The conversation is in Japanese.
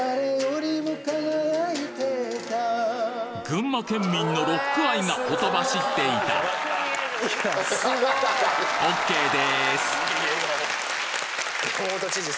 群馬県民のロック愛がほとばしっていた山本知事